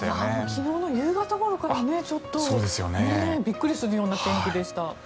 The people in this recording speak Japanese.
昨日の夕方ごろからびっくりするような天気でした。